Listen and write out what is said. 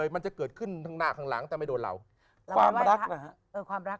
มันจะเกิดขึ้นข้างหน้าข้างหลังแต่ไม่โดนเราความรักนะฮะเออความรัก